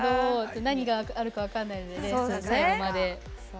確かになぁ。何があるか分かんないので最後まで。